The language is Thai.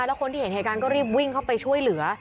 แล้วคนที่เห็นเหตุการณ์ก็รีบวิ่งเข้าไปช่วยเหลือ